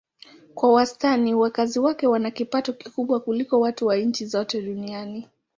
Kwa wastani wakazi wake wana kipato kikubwa kuliko watu wa nchi zote duniani.